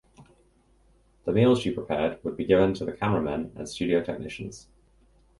The meals she prepared would be given to the cameramen and studio technicians.